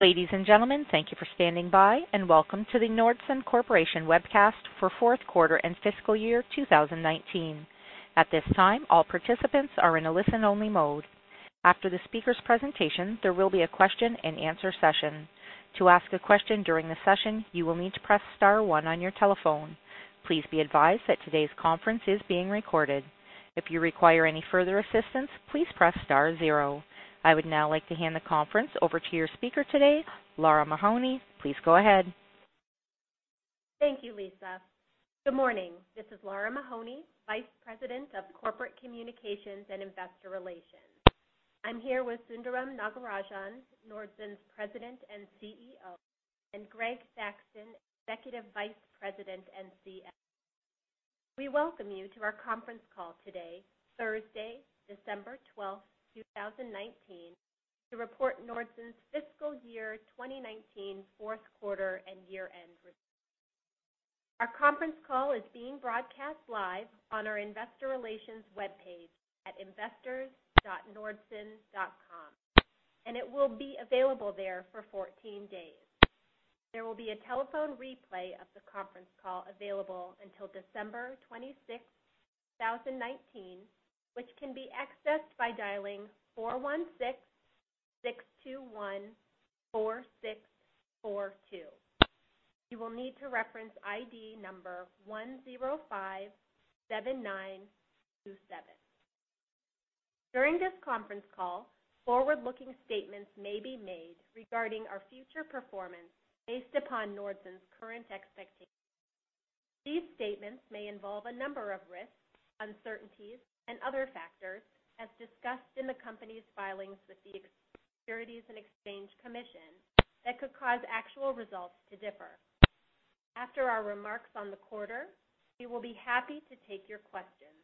Ladies and gentlemen, thank you for standing by and welcome to the Nordson Corporation Webcast for Fourth Quarter and Fiscal Year 2019. At this time, all participants are in a listen-only mode. After the speaker's presentation, there will be a question-and-answer session. To ask a question during the session, you will need to press star one on your telephone. Please be advised that today's conference is being recorded. If you require any further assistance, please press star zero. I would now like to hand the conference over to your speaker today, Lara Mahoney. Please go ahead. Thank you, Lisa. Good morning. This is Lara Mahoney, Vice President of Corporate Communications and Investor Relations. I'm here with Sundaram Nagarajan, Nordson's President and CEO, and Greg Thaxton, Executive Vice President and CFO. We welcome you to our conference call today, Thursday, December 12, 2019, to report Nordson's fiscal year 2019 fourth quarter and year-end results. Our conference call is being broadcast live on our Investor Relations Webpage at investors.nordson.com, and it will be available there for 14 days. There will be a Telephone Replay of the conference call available until December 26, 2019, which can be accessed by dialing 416-621-4642. You will need to reference ID number 1057927. During this conference call, forward-looking statements may be made regarding our future performance based upon Nordson's current expectations. These statements may involve a number of risks, uncertainties, and other factors as discussed in the company's filings with the Securities and Exchange Commission that could cause actual results to differ. After our remarks on the quarter, we will be happy to take your questions.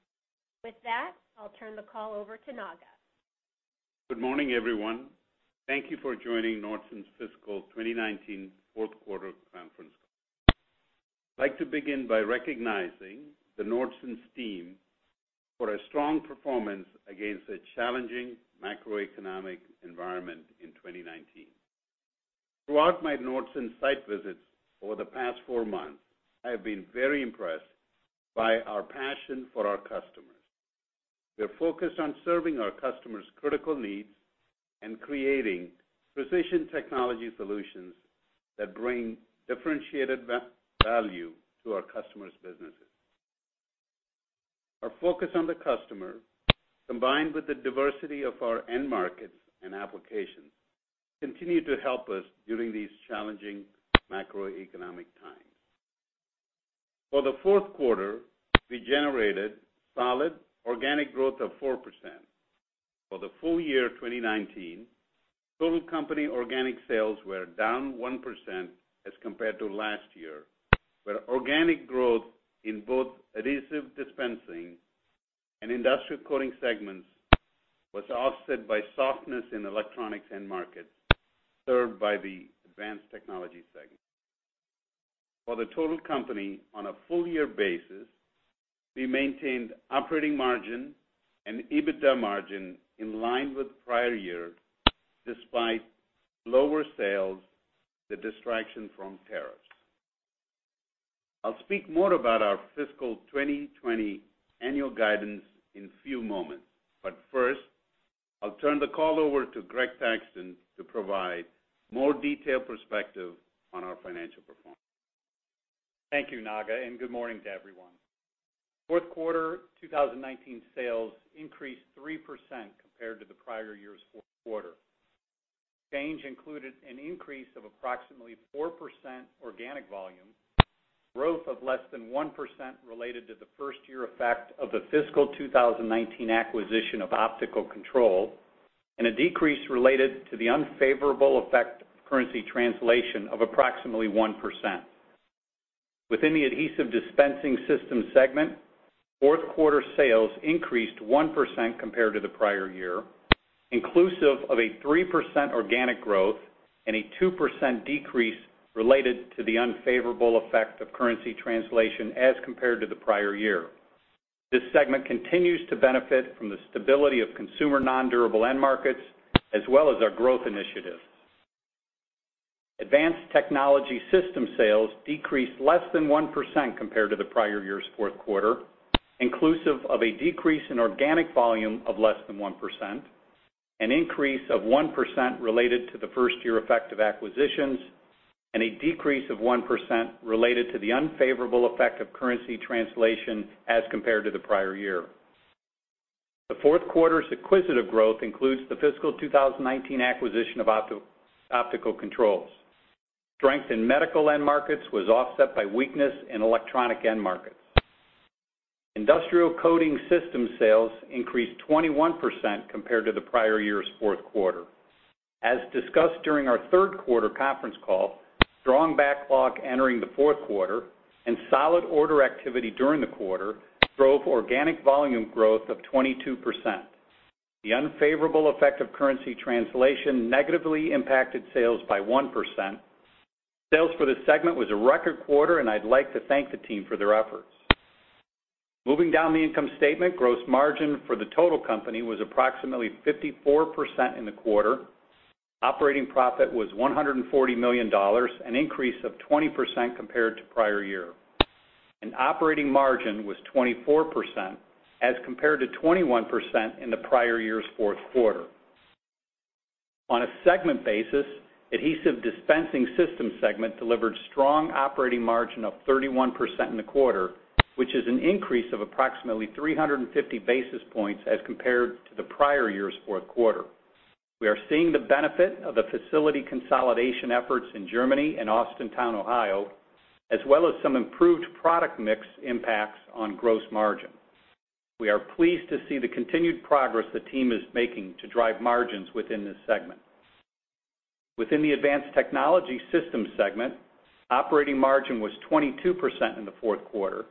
With that, I'll turn the call over to Naga. Good morning, everyone. Thank you for joining Nordson's Fiscal 2019 Fourth Quarter Conference Call. I'd like to begin by recognizing the Nordson's team for a strong performance against a challenging macroeconomic environment in 2019. Throughout my Nordson site visits over the past four months, I have been very impressed by our passion for our customers. We are focused on serving our customers' critical needs and creating precision technology solutions that bring differentiated value to our customers' businesses. Our focus on the customer, combined with the diversity of our end markets and applications, continue to help us during these challenging macroeconomic times. For the fourth quarter, we generated solid organic growth of 4%. For the full year 2019, total company organic sales were down 1% as compared to last year, where organic growth in both Adhesive Dispensing and Industrial Coating segments was offset by softness in Electronics end markets served by the Advanced Technology segment. For the total company on a full year basis, we maintained operating margin and EBITDA margin in line with prior year despite lower sales, the distraction from tariffs. I'll speak more about our fiscal 2020 annual guidance in a few moments, but first, I'll turn the call over to Gregory A. Thaxton to provide more detailed perspective on our financial performance. Thank you, Naga, and good morning to everyone. Fourth quarter 2019 sales increased 3% compared to the prior year's fourth quarter. Change included an increase of approximately 4% organic volume, growth of less than 1% related to the first year effect of the fiscal 2019 acquisition of Optical Control, and a decrease related to the unfavorable effect of currency translation of approximately 1%. Within the Adhesive Dispensing System segment, fourth quarter sales increased 1% compared to the prior year, inclusive of a 3% organic growth and a 2% decrease related to the unfavorable effect of currency translation as compared to the prior year. This segment continues to benefit from the stability of consumer nondurable end markets, as well as our growth initiatives. Advanced Technology Solutions sales decreased less than 1% compared to the prior year's fourth quarter, inclusive of a decrease in organic volume of less than 1%, an increase of 1% related to the first year effect of acquisitions, and a decrease of 1% related to the unfavorable effect of currency translation as compared to the prior year. The fourth quarter's acquisitive growth includes the fiscal 2019 acquisition of Optical Control. Strength in Medical end markets was offset by weakness in Electronic end markets. Industrial Coating System sales increased 21% compared to the prior year's fourth quarter. As discussed during our third quarter conference call, strong backlog entering the fourth quarter and solid order activity during the quarter drove organic volume growth of 22%. The unfavorable effect of currency translation negatively impacted sales by 1%. Sales for this segment was a record quarter, and I'd like to thank the team for their efforts. Moving down the income statement, gross margin for the total company was approximately 54% in the quarter. Operating profit was $140 million, an increase of 20% compared to prior year. Operating margin was 24% as compared to 21% in the prior year's fourth quarter. On a segment basis, Adhesive Dispensing System segment delivered strong operating margin of 31% in the quarter, which is an increase of approximately 350 basis points as compared to the prior year's fourth quarter. We are seeing the benefit of the facility consolidation efforts in Germany and Austintown, Ohio, as well as some improved product mix impacts on gross margin. We are pleased to see the continued progress the team is making to drive margins within this segment. Within the Advanced Technology Solutions segment, operating margin was 22% in the fourth quarter,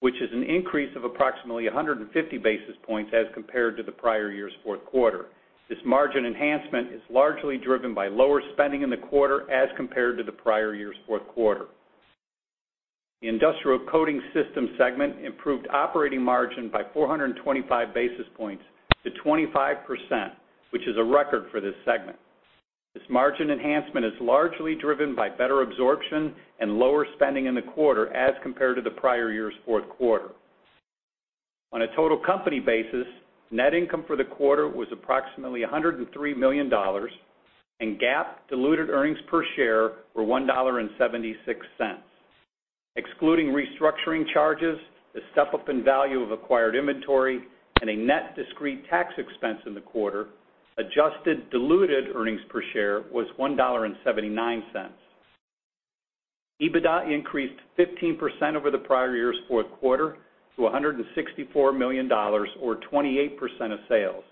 which is an increase of approximately 150 basis points as compared to the prior year's fourth quarter. This margin enhancement is largely driven by lower spending in the quarter as compared to the prior year's fourth quarter. The Industrial Coating System segment improved operating margin by 425 basis points to 25%, which is a record for this segment. This margin enhancement is largely driven by better absorption and lower spending in the quarter as compared to the prior year's fourth quarter. On a total company basis, net income for the quarter was approximately $103 million, and GAAP diluted earnings per share were $1.76. Excluding restructuring charges, the step-up in value of acquired inventory, and a net discrete tax expense in the quarter, adjusted diluted earnings per share was $1.79. EBITDA increased 15% over the prior year's fourth quarter to $164 million or 28% of sales.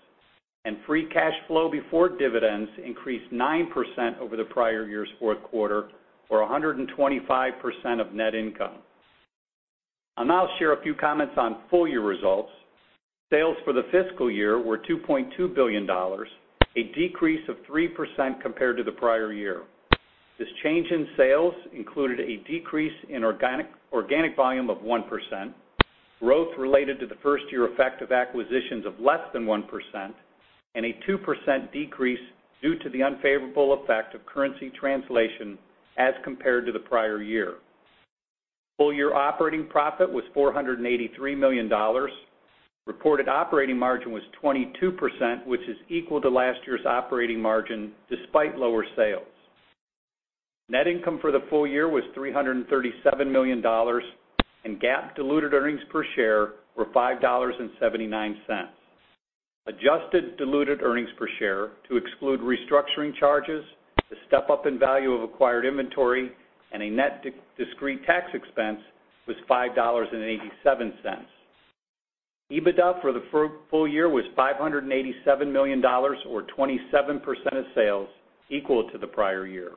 Free cash flow before dividends increased 9% over the prior year's fourth quarter or 125% of net income. I'll now share a few comments on full year results. Sales for the fiscal year were $2.2 billion, a decrease of 3% compared to the prior year. This change in sales included a decrease in organic volume of 1%, growth related to the first year effect of acquisitions of less than 1%, and a 2% decrease due to the unfavorable effect of currency translation as compared to the prior year. Full year operating profit was $483 million. Reported operating margin was 22%, which is equal to last year's operating margin despite lower sales. Net income for the full year was $337 million, and GAAP diluted earnings per share were $5.79. Adjusted diluted earnings per share to exclude restructuring charges, the step-up in value of acquired inventory, and a net discrete tax expense was $5.87. EBITDA for the full year was $587 million or 27% of sales, equal to the prior year.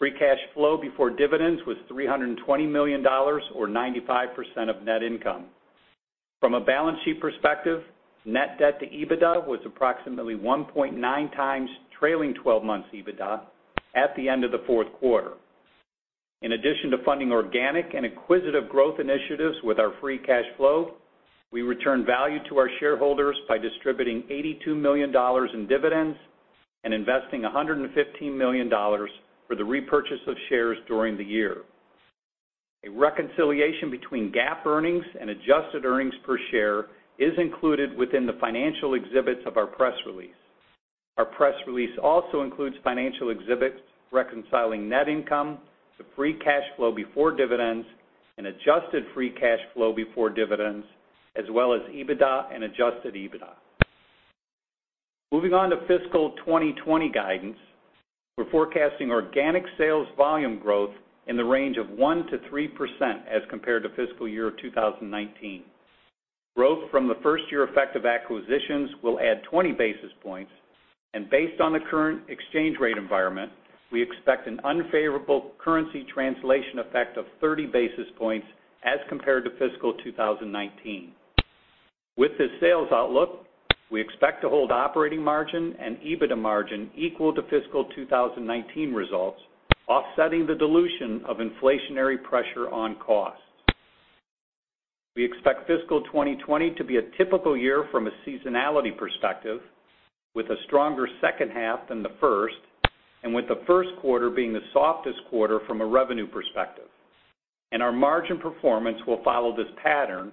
Free cash flow before dividends was $320 million or 95% of net income. From a balance sheet perspective, net debt to EBITDA was approximately 1.9x trailing twelve months EBITDA at the end of the fourth quarter. In addition to funding organic and acquisitive growth initiatives with our free cash flow, we return value to our shareholders by distributing $82 million in dividends and investing $115 million for the repurchase of shares during the year. A reconciliation between GAAP earnings and adjusted earnings per share is included within the financial exhibits of our press release. Our press release also includes financial exhibits reconciling net income to free cash flow before dividends and adjusted free cash flow before dividends, as well as EBITDA and adjusted EBITDA. Moving on to fiscal 2020 guidance. We're forecasting organic sales volume growth in the range of 1%-3% as compared to fiscal year 2019. Growth from the first year effect of acquisitions will add 20 basis points. Based on the current exchange rate environment, we expect an unfavorable currency translation effect of 30 basis points as compared to fiscal 2019. With this sales outlook, we expect to hold operating margin and EBITDA margin equal to fiscal 2019 results, offsetting the dilution of inflationary pressure on costs. We expect fiscal 2020 to be a typical year from a seasonality perspective, with a stronger second half than the first, and with the first quarter being the softest quarter from a revenue perspective. Our margin performance will follow this pattern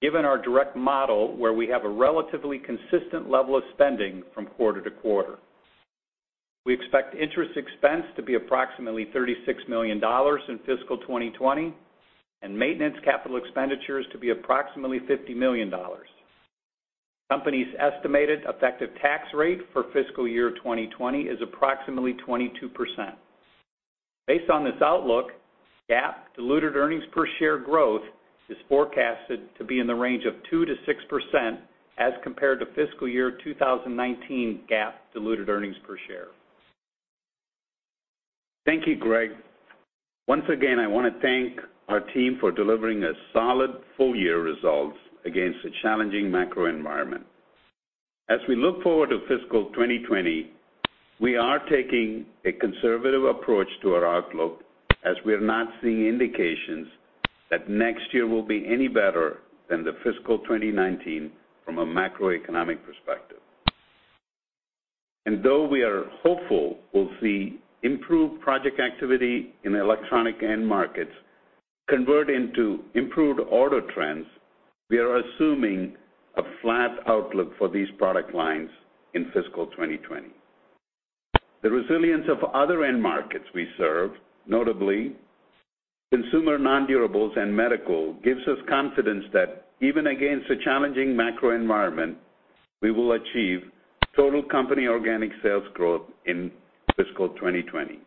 given our direct model where we have a relatively consistent level of spending from quarter to quarter. We expect interest expense to be approximately $36 million in fiscal 2020 and maintenance capital expenditures to be approximately $50 million. Company's estimated effective tax rate for fiscal year 2020 is approximately 22%. Based on this outlook, GAAP diluted earnings per share growth is forecasted to be in the range of 2%-6% as compared to fiscal year 2019 GAAP diluted earnings per share. Thank you, Greg. Once again, I wanna thank our team for delivering a solid full year results against a challenging macro environment. As we look forward to fiscal 2020, we are taking a conservative approach to our outlook as we are not seeing indications that next year will be any better than the fiscal 2019 from a macroeconomic perspective. Though we are hopeful we'll see improved project activity in electronic end markets convert into improved order trends, we are assuming a flat outlook for these product lines in fiscal 2020. The resilience of other end markets we serve, notably consumer nondurables and Medical, gives us confidence that even against a challenging macro environment, we will achieve Total Company organic sales growth in fiscal 2020.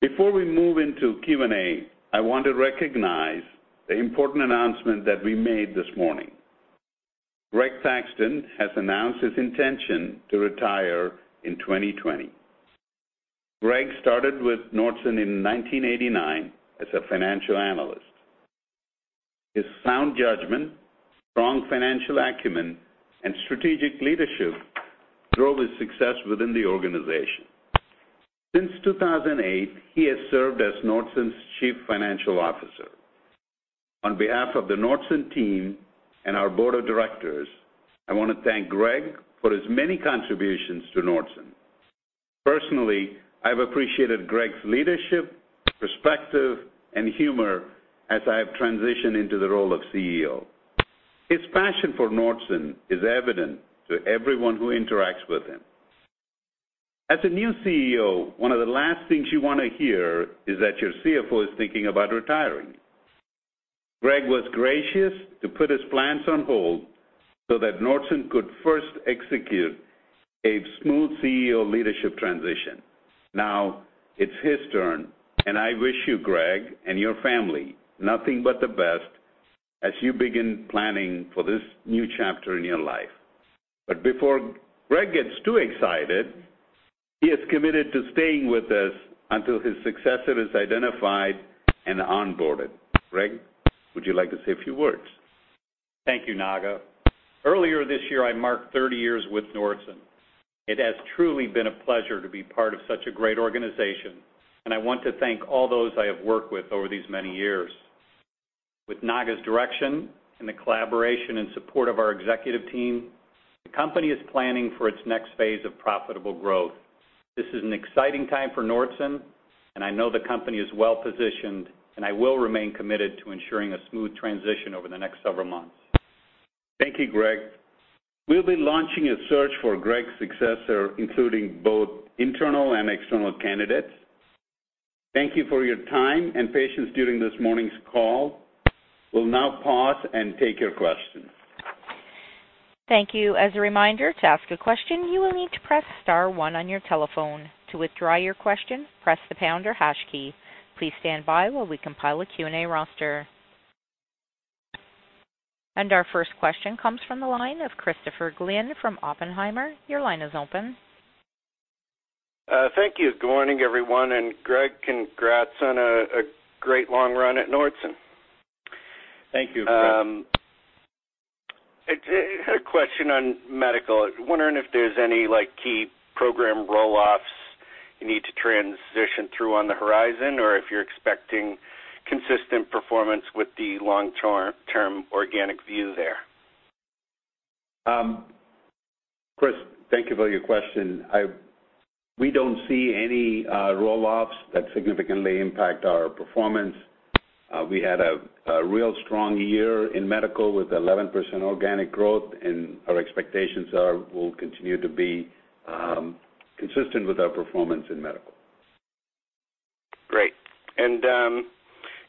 Before we move into Q&A, I want to recognize the important announcement that we made this morning. Greg Thaxton has announced his intention to retire in 2020. Greg started with Nordson in 1989 as a financial analyst. His sound judgment, strong financial acumen, and strategic leadership drove his success within the organization. Since 2008, he has served as Nordson's Chief Financial Officer. On behalf of the Nordson team and our Board of Directors, I wanna thank Greg for his many contributions to Nordson. Personally, I've appreciated Greg's leadership, perspective, and humor as I have transitioned into the role of CEO. His passion for Nordson is evident to everyone who interacts with him. As a new CEO, one of the last things you wanna hear is that your CFO is thinking about retiring. Greg was gracious to put his plans on hold so that Nordson could first execute a smooth CEO leadership transition. Now it's his turn, and I wish you, Greg, and your family nothing but the best as you begin planning for this new chapter in your life. Before Greg gets too excited, he has committed to staying with us until his successor is identified and onboarded. Greg, would you like to say a few words? Thank you, Sundaram Nagarajan. Earlier this year, I marked 30 years with Nordson. It has truly been a pleasure to be part of such a great organization, and I want to thank all those I have worked with over these many years. With Sundaram Nagarajan's direction and the collaboration and support of our executive team, the company is planning for its next phase of profitable growth. This is an exciting time for Nordson, and I know the company is well-positioned, and I will remain committed to ensuring a smooth transition over the next several months. Thank you, Greg. We'll be launching a search for Greg's successor, including both internal and external candidates. Thank you for your time and patience during this morning's call. We'll now pause and take your questions. Thank you. As a reminder, to ask a question, you will need to press star one on your telephone. To withdraw your question, press the pound or hash key. Please stand by while we compile a Q&A roster. Our first question comes from the line of Christopher Glynn from Oppenheimer. Your line is open. Thank you. Good morning, everyone. Greg Thaxton, congrats on a great long run at Nordson. Thank you, Chris. I had a question on Medical. Wondering if there's any, like, key program roll-offs you need to transition through on the horizon or if you're expecting consistent performance with the long-term organic view there. Chris, thank you for your question. We don't see any roll-offs that significantly impact our performance. We had a real strong year in Medical with 11% organic growth, and our expectations are we'll continue to be consistent with our performance in Medical. Great.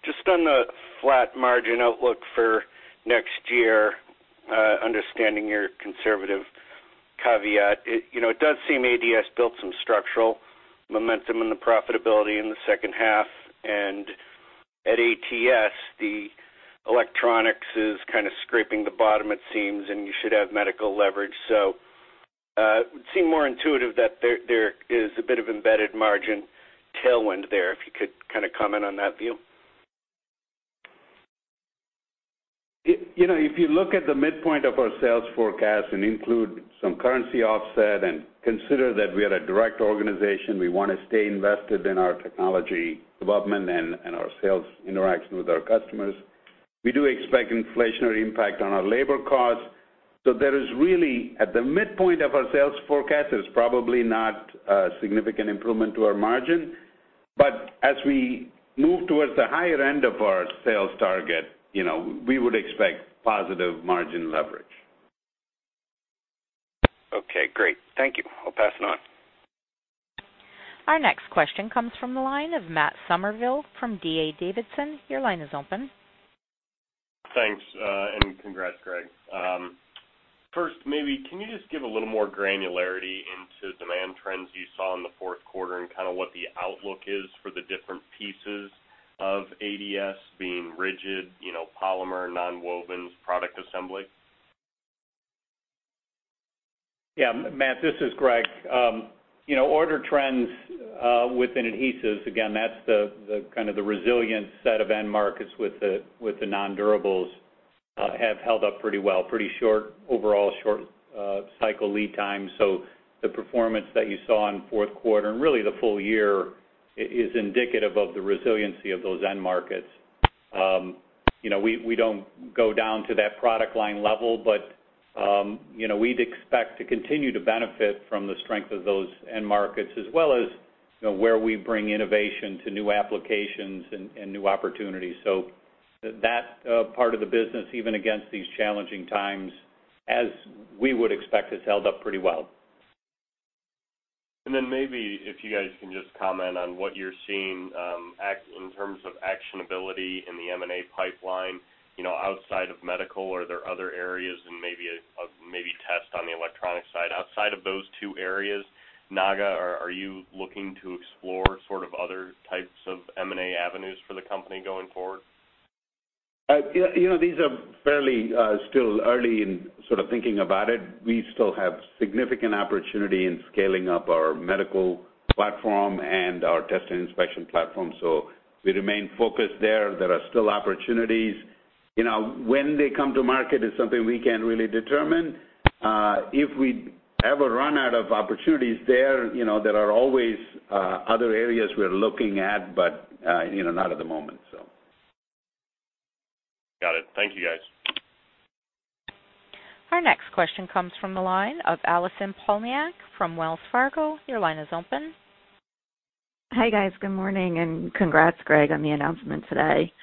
Just on the flat margin outlook for next year, understanding your conservative caveat, you know, it does seem ADS built some structural momentum in the profitability in the second half. At ATS, the Electronics is kinda scraping the bottom, it seems, and you should have Medical leverage. It would seem more intuitive that there is a bit of embedded margin tailwind there. If you could kinda comment on that view. You know, if you look at the midpoint of our sales forecast and include some currency offset and consider that we are a direct organization, we wanna stay invested in our technology development and our sales interaction with our customers. We do expect inflationary impact on our labor costs. There is really, at the midpoint of our sales forecast, there's probably not a significant improvement to our margin. As we move towards the higher end of our sales target, you know, we would expect positive margin leverage. Okay, great. Thank you. I'll pass it on. Our next question comes from the line of Matt Summerville from D.A. Davidson. Your line is open. Thanks, and congrats, Greg Thaxton. First, maybe can you just give a little more granularity into demand trends you saw in the fourth quarter and kind of what the outlook is for the different pieces of ADS being rigid, polymer, nonwovens, product assembly? Yeah, Matt, this is Greg. You know, order trends within Adhesives, again, that's the kind of resilient set of end markets with the non-durables have held up pretty well, pretty short overall short cycle lead times. The performance that you saw in fourth quarter and really the full year is indicative of the resiliency of those end markets. You know, we don't go down to that product line level, but you know, we'd expect to continue to benefit from the strength of those end markets as well as you know, where we bring innovation to new applications and new opportunities. That part of the business, even against these challenging times, as we would expect, has held up pretty well. Maybe if you guys can just comment on what you're seeing in terms of actionability in the M&A pipeline, you know, outside of Medical, are there other areas and maybe ATS on the Electronic side. Outside of those two areas, Naga, are you looking to explore sort of other types of M&A avenues for the company going forward? Yeah, you know, these are fairly still early in sort of thinking about it. We still have significant opportunity in scaling up our Medical platform and our Test and Inspection platform. We remain focused there. There are still opportunities. You know, when they come to market is something we can't really determine. If we ever run out of opportunities there, you know, there are always other areas we're looking at, but you know, not at the moment. Got it. Thank you, guys. Our next question comes from the line of Allison Poliniak-Cusic from Wells Fargo. Your line is open. Hi, guys. Good morning, and congrats, Greg, on the announcement today.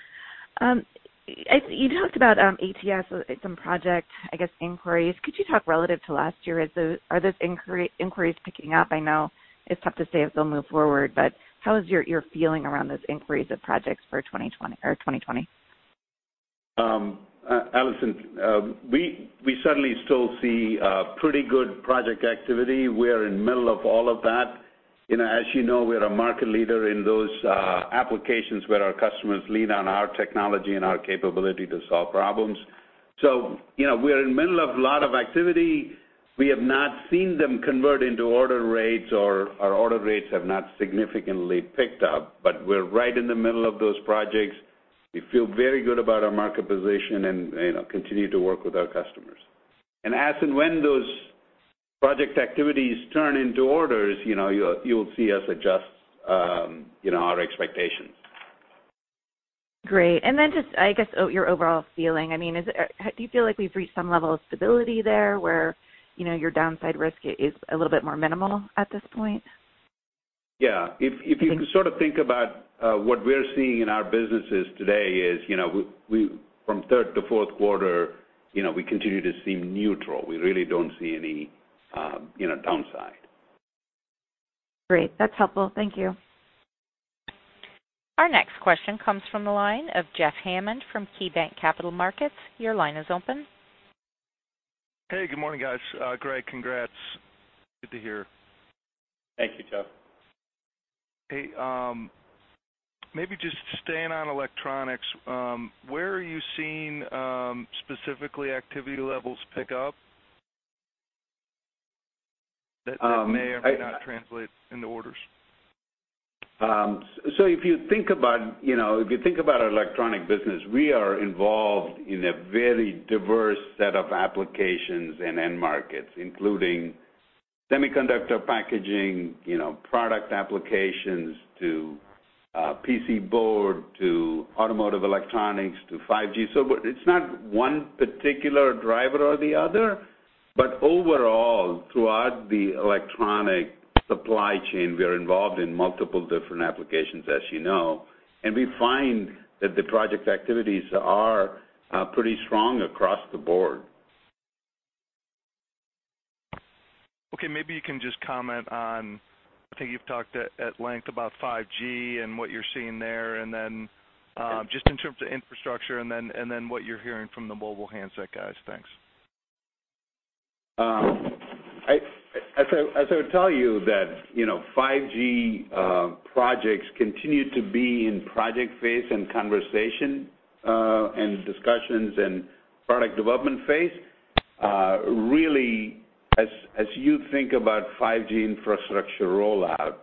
You talked about ATS and some project, I guess, inquiries. Could you talk relative to last year? Are those inquiries picking up? I know it's tough to say if they'll move forward, but how is your feeling around those inquiries of projects for 2020? Allison, we certainly still see pretty good project activity. We're in middle of all of that. You know, as you know, we're a market leader in those applications where our customers lean on our technology and our capability to solve problems. You know, we're in middle of a lot of activity. We have not seen them convert into order rates or our order rates have not significantly picked up, but we're right in the middle of those projects. We feel very good about our market position and, you know, continue to work with our customers. As and when those project activities turn into orders, you know, you'll see us adjust our expectations. Great. Then just, I guess, your overall feeling. I mean, is it, do you feel like we've reached some level of stability there where, you know, your downside risk is a little bit more minimal at this point? Yeah. If you sort of think about what we're seeing in our businesses today is, you know, we from third to fourth quarter, you know, we continue to seem neutral. We really don't see any, you know, downside. Great. That's helpful. Thank you. Our next question comes from the line of Jeffrey Hammond from KeyBanc Capital Markets. Your line is open. Hey, good morning, guys. Greg, congrats. Good to hear. Thank you, Jeff. Hey, maybe just staying on Electronics, where are you seeing specifically activity levels pick up that may or may not translate into orders? If you think about, you know, our Electronic business, we are involved in a very diverse set of applications and end markets, including semiconductor packaging, you know, product applications too, PC board, to automotive Electronics, to 5G. It's not one particular driver or the other. Overall, throughout the Electronic supply chain, we are involved in multiple different applications, as you know, and we find that the project activities are pretty strong across the board. Okay, maybe you can just comment on, I think you've talked at length about 5G and what you're seeing there, and then just in terms of infrastructure and then what you're hearing from the mobile handset guys. Thanks. As I would tell you that, you know, 5G projects continue to be in project phase and conversation and discussions and product development phase. Really, as you think about 5G infrastructure rollout,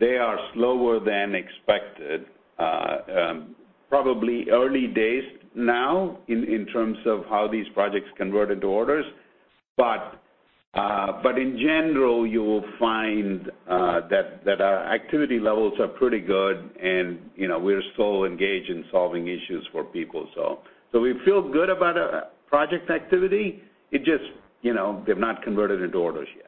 they are slower than expected, probably early days now in terms of how these projects convert into orders. In general, you will find that our activity levels are pretty good and, you know, we're still engaged in solving issues for people. We feel good about project activity. It just, you know, they've not converted into orders yet.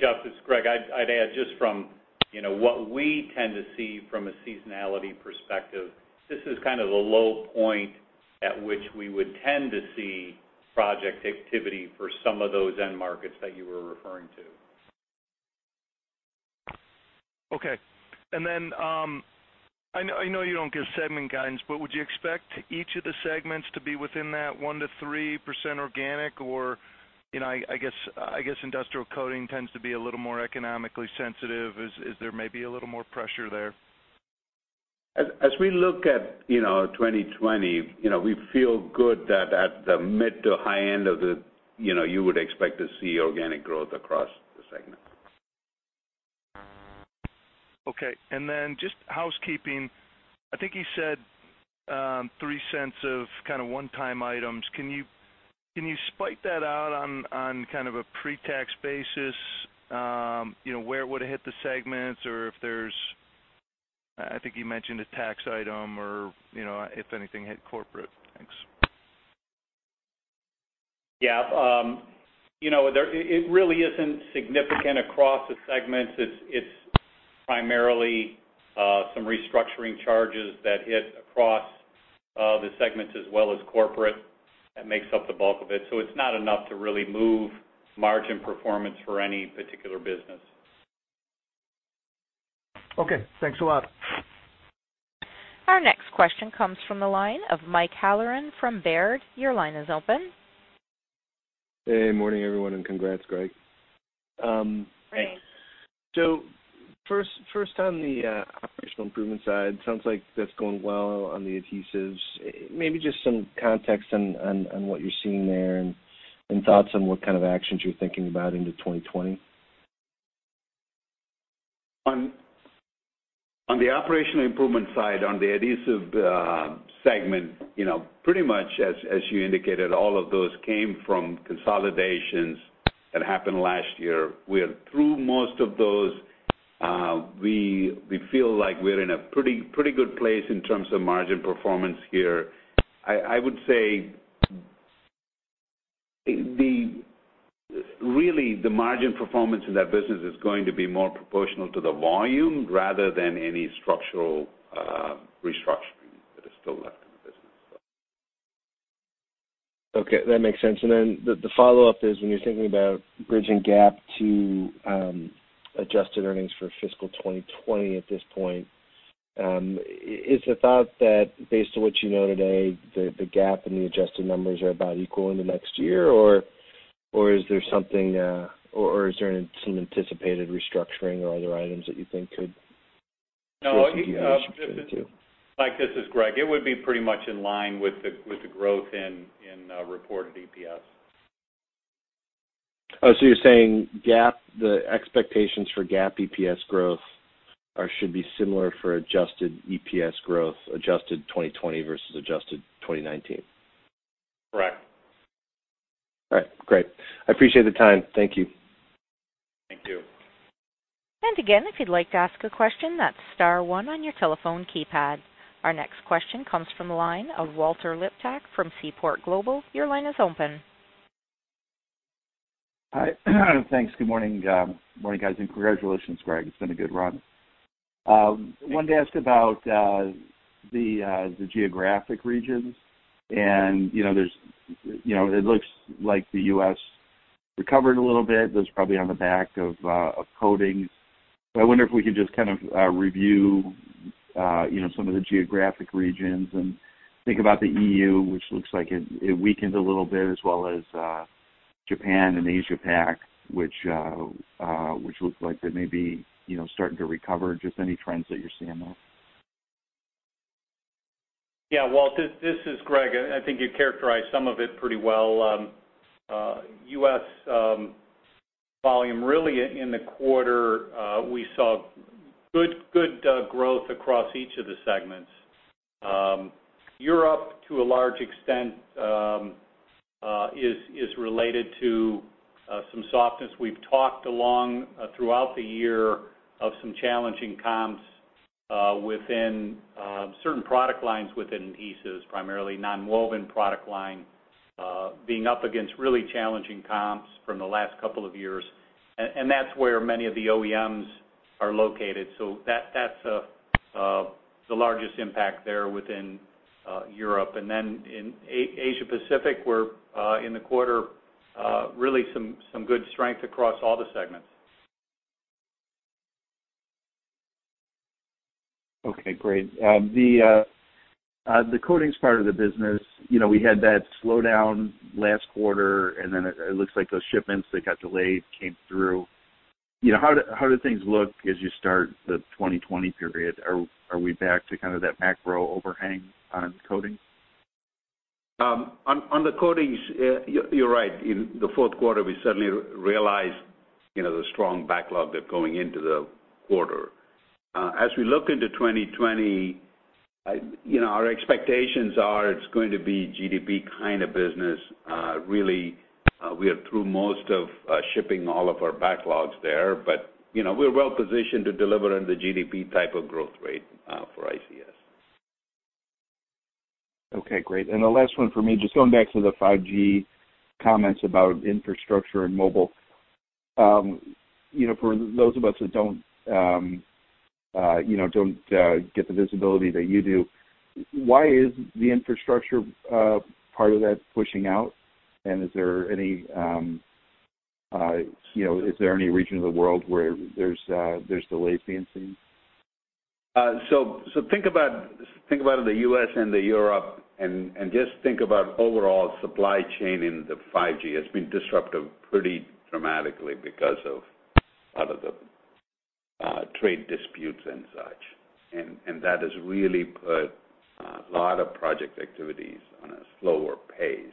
Jeff, it's Greg. I'd add just from, you know, what we tend to see from a seasonality perspective, this is kind of the low point at which we would tend to see project activity for some of those end markets that you were referring to. Okay. I know you don't give segment guidance, but would you expect each of the segments to be within that 1%-3% organic? Or, you know, I guess Industrial Coating tends to be a little more economically sensitive. Is there maybe a little more pressure there? As we look at, you know, 2020, you know, we feel good that at the mid to high end of the, you know, you would expect to see organic growth across the segment. Okay. Just housekeeping. I think you said $0.03 of kind of one-time items. Can you break that out on kind of a pre-tax basis, you know, where it would hit the segments or if there's, I think you mentioned a tax item or, you know, if anything hit corporate. Thanks. Yeah. You know, it really isn't significant across the segments. It's primarily some restructuring charges that hit across the segments as well as corporate that makes up the bulk of it. It's not enough to really move margin performance for any particular business. Okay. Thanks a lot. Our next question comes from the line of Michael Halloran from Baird. Your line is open. Hey. Morning, everyone, and congrats, Greg. First on the operational improvement side. Sounds like that's going well on the Adhesives. Maybe just some context on what you're seeing there and thoughts on what kind of actions you're thinking about into 2020. On the operational improvement side, on the adhesive segment, you know, pretty much as you indicated, all of those came from consolidations that happened last year. We are through most of those. We feel like we're in a pretty good place in terms of margin performance here. I would say really, the margin performance in that business is going to be more proportional to the volume rather than any structural restructuring that is still left in the business. Okay, that makes sense. The follow-up is when you're thinking about bridging GAAP to adjusted earnings for fiscal 2020 at this point, is the thought that based on what you know today, the GAAP and the adjusted numbers are about equal in the next year, or is there something, or is there some anticipated restructuring or other items that you think could? No, Mike, this is Greg. It would be pretty much in line with the growth in reported EPS. Oh, you're saying GAAP, the expectations for GAAP EPS growth should be similar for adjusted EPS growth, adjusted 2020 versus adjusted 2019? Correct. All right. Great. I appreciate the time. Thank you. Thank you. Again, if you'd like to ask a question, that's star one on your telephone keypad. Our next question comes from the line of Walter Liptak from Seaport Global. Your line is open. Hi. Thanks. Good morning. Good morning, guys, and congratulations, Greg. It's been a good run. Wanted to ask about the geographic regions. You know, there's, you know, it looks like the US recovered a little bit. That's probably on the back of Coatings. I wonder if we could just kind of review, you know, some of the geographic regions and think about the EU, which looks like it weakened a little bit, as well as Japan and Asia PAC, which looks like they may be, you know, starting to recover. Just any trends that you're seeing there. Yeah. Walt, this is Greg, and I think you characterized some of it pretty well. U.S. volume really in the quarter, we saw good growth across each of the segments. Europe to a large extent is related to some softness. We've talked all along throughout the year of some challenging comps within certain product lines within Adhesives, primarily nonwoven product line, being up against really challenging comps from the last couple of years. That's where many of the OEMs are located. That's the largest impact there within Europe. In Asia Pacific, we're in the quarter really some good strength across all the segments. Okay, great. The coatings part of the business, you know, we had that slowdown last quarter, and then it looks like those shipments that got delayed came through. You know, how do things look as you start the 2020 period? Are we back to kind of that macro overhang on coatings? On the Coatings, you're right. In the fourth quarter, we certainly realized, you know, the strong backlog that going into the quarter. As we look into 2020, you know, our expectations are it's going to be GDP kind of business. Really, we are through most of shipping all of our backlogs there, but, you know, we're well positioned to deliver on the GDP type of growth rate for ICS. Okay, great. The last one for me, just going back to the 5G comments about infrastructure and mobile. You know, for those of us that don't get the visibility that you do, why is the infrastructure part of that pushing out? Is there any region of the world where there's latency? Think about the U.S. and Europe, and just think about overall supply chain in the 5G. It's been disruptive pretty dramatically because of the trade disputes and such. That has really put a lot of project activities on a slower pace.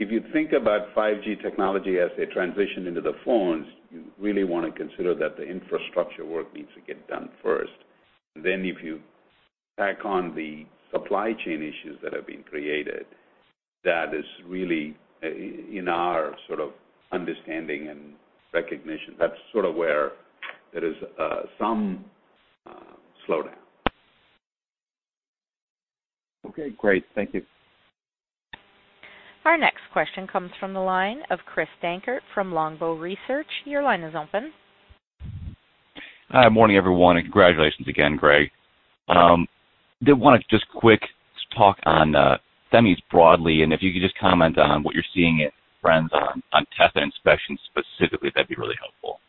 If you think about 5G technology as they transition into the phones, you really wanna consider that the infrastructure work needs to get done first. If you tack on the supply chain issues that have been created, that is really in our sort of understanding and recognition, that's sort of where there is some slowdown. Okay, great. Thank you. Our next question comes from the line of Christopher Dankert from Longbow Research. Your line is open. Hi. Morning, everyone, and congratulations again, Greg. Did wanna just quick talk on semis broadly, and if you could just comment on what you're seeing at Nordson on Test and Inspection specifically, that'd be really helpful.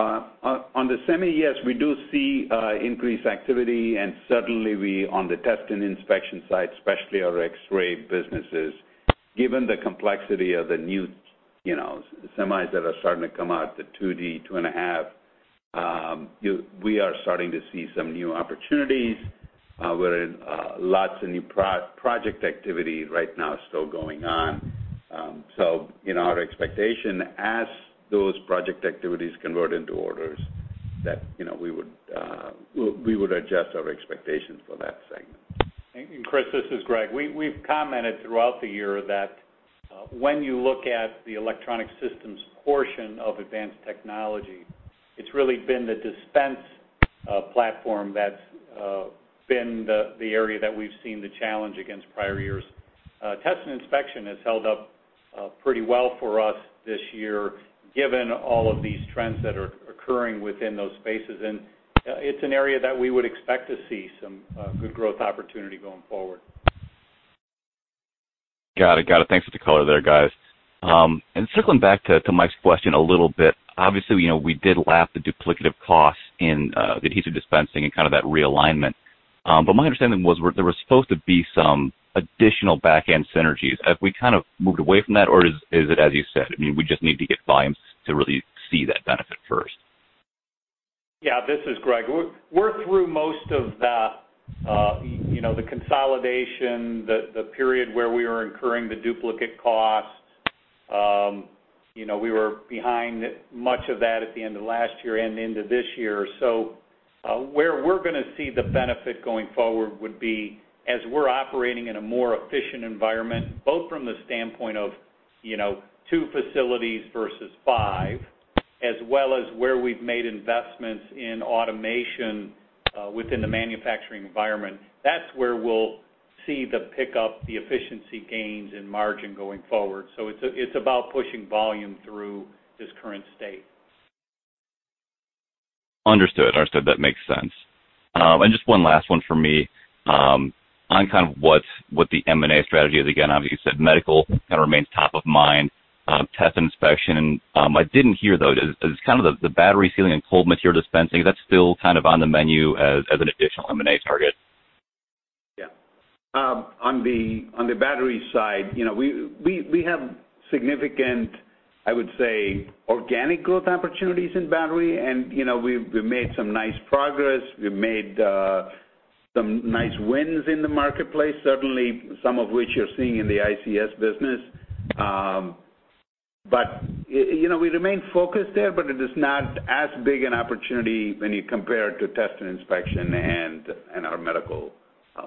On the semi, yes, we do see increased activity. Certainly we on the Test and Inspection side, especially our X-ray businesses, given the complexity of the new, you know, semis that are starting to come out, the 2D, 2.5, we are starting to see some new opportunities, where lots of new project activity right now still going on. Our expectation, as those project activities convert into orders that, you know, we would adjust our expectations for that segment. Chris Dankert, this is Greg Thaxton. We've commented throughout the year that when you look at the Electronic Systems portion of Advanced Technology, it's really been the dispensing platform that's been the area that we've seen the challenge against prior years. Test and Inspection has held up pretty well for us this year, given all of these trends that are occurring within those spaces. It's an area that we would expect to see some good growth opportunity going forward. Got it. Thanks for the color there, guys. Circling back to Mike's question a little bit, obviously, you know, we did lap the duplicative costs in the Adhesive Dispensing and kind of that realignment. My understanding was there was supposed to be some additional back-end synergies. Have we kind of moved away from that, or is it as you said? I mean, we just need to get volumes to really see that benefit first. Yeah, this is Greg. We're through most of the you know consolidation the period where we were incurring the duplicate costs. You know, we were behind much of that at the end of last year and into this year. Where we're gonna see the benefit going forward would be as we're operating in a more efficient environment, both from the standpoint of you know two facilities versus five, as well as where we've made investments in automation within the manufacturing environment. That's where we'll see the pickup, the efficiency gains and margin going forward. It's about pushing volume through this current state. Understood. That makes sense. Just one last one from me. On kind of what the M&A strategy is. Again, obviously you said Medical kind of remains top of mind, Test and Inspection. I didn't hear, though, is kind of the battery sealing and cold material dispensing, is that still kind of on the menu as an additional M&A target? Yeah. On the Battery side, you know, we have significant, I would say, organic growth opportunities in battery. You know, we've made some nice progress. We've made some nice wins in the marketplace, certainly some of which you're seeing in the ICS business. You know, we remain focused there, but it is not as big an opportunity when you compare it to Test and Inspection and our medical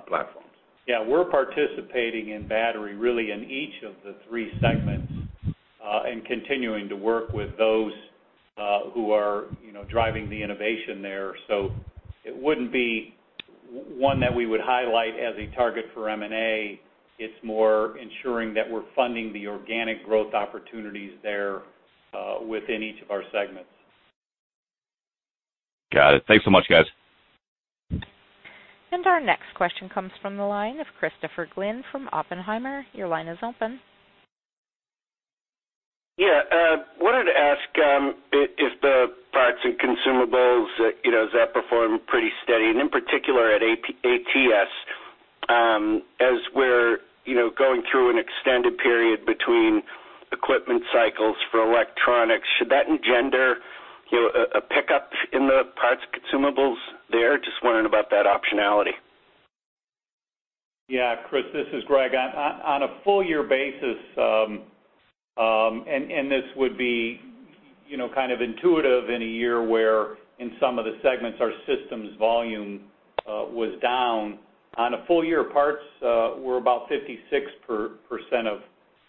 platforms. Yeah. We're participating in Battery really in each of the three segments, and continuing to work with those, who are, you know, driving the innovation there. It wouldn't be one that we would highlight as a target for M&A. It's more ensuring that we're funding the organic growth opportunities there, within each of our segments. Got it. Thanks so much, guys. Our next question comes from the line of Christopher Glynn from Oppenheimer. Your line is open. Yeah. Wanted to ask, if the Parts and Consumables, you know, does that perform pretty steady? In particular at ATS, as we're, you know, going through an extended period between equipment cycles for Electronics, should that engender, you know, a pickup in the parts consumables there? Just wondering about that optionality. Yeah. Chris, this is Greg. On a full-year basis, and this would be, you know, kind of intuitive in a year where in some of the segments our systems volume was down. On a full-year, parts were about 56%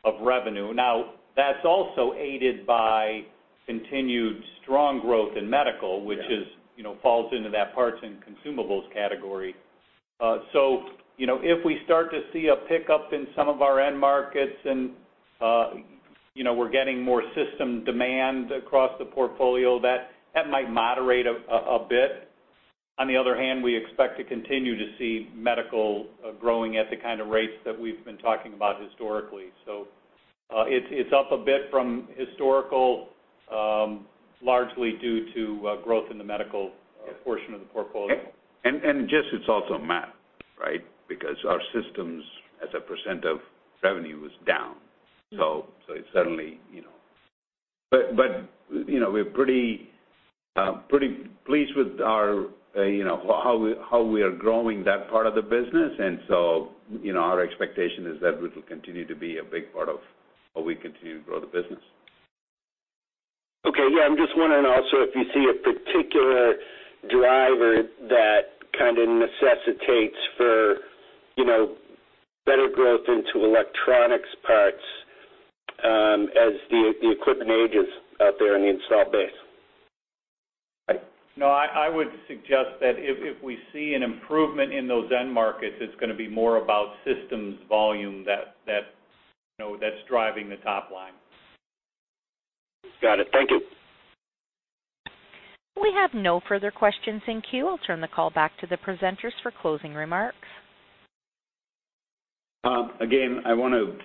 of revenue. Now, that's also aided by continued strong growth in medical- Yeah. which is, you know, falls into that Parts and Consumables category. You know, if we start to see a pickup in some of our end markets and, you know, we're getting more system demand across the portfolio, that might moderate a bit. On the other hand, we expect to continue to see Medical growing at the kind of rates that we've been talking about historically. It's up a bit from historical, largely due to growth in the Medical portion of the portfolio. Just it's also math, right? Because our systems as a % of revenue is down. Mm-hmm. It's certainly, you know. You know, we're pretty pleased with our, you know, how we are growing that part of the business. You know, our expectation is that it'll continue to be a big part of how we continue to grow the business. Okay. Yeah. I'm just wondering also if you see a particular driver that kind of necessitates for, you know, better growth into Electronics parts, as the equipment ages out there in the installed base. No, I would suggest that if we see an improvement in those end markets, it's gonna be more about systems volume that you know, that's driving the top line. Got it. Thank you. We have no further questions in queue. I'll turn the call back to the presenters for closing remarks. Again, I wanna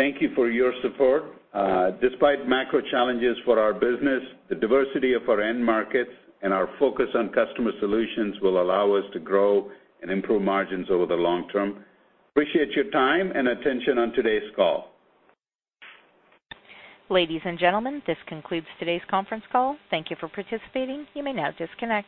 thank you for your support. Despite macro challenges for our business, the diversity of our end markets and our focus on customer solutions will allow us to grow and improve margins over the long term. Appreciate your time and attention on today's call. Ladies and gentlemen, this concludes today's conference call. Thank you for participating. You may now disconnect.